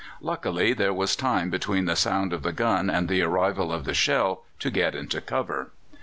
Luckily there was time between the sound of the gun and the arrival of the shell to get into cover.